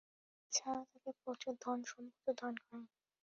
এ ছাড়া তাঁকে প্রচুর ধন-সম্পদও দান করেন।